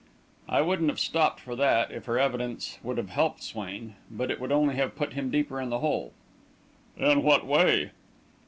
"I wouldn't have stopped for that, if her evidence would have helped Swain. But it would only have put him deeper in the hole." "In what way?"